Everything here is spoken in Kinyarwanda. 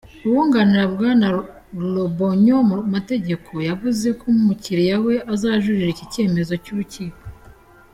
Uwunganira Bwana Lobognon mu mategeko yavuze ko umukiliya we azajurira iki cyemezo cy'urukiko.